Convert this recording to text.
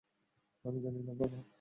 আমি জানি না বাবা।